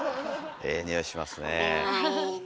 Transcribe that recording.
ええにおいします。